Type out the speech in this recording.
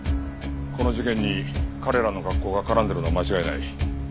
この事件に彼らの学校が絡んでいるのは間違いない。